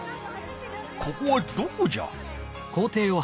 ここはどこじゃ？